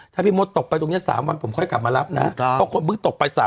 ถ้าพี่มดตกไปตรงนี้๓วันผมค่อยกลับมารับนะ